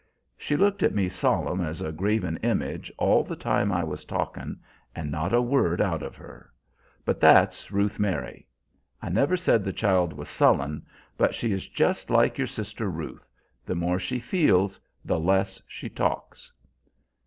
She looked at me solemn as a graven image all the time I was talkin' and not a word out of her. But that's Ruth Mary. I never said the child was sullen, but she is just like your sister Ruth the more she feels, the less she talks."